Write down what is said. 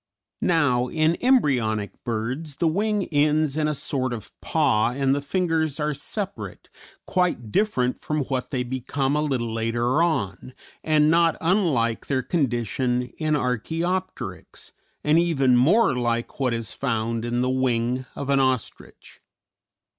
Now, in embryonic birds the wing ends in a sort of paw and the fingers are separate, quite different from what they become a little later on, and not unlike their condition in Archæopteryx, and even more like what is found in the wing of an ostrich.